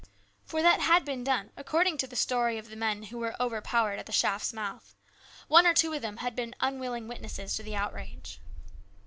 For that had been done, according to the story of the men who were overpowered at the shaft's mouth. One or two of them had been unwilling witnesses to the outrage.